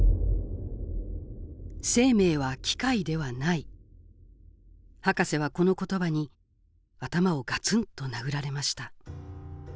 「生命は機械ではない」ハカセはこの言葉に頭をガツンと殴られました。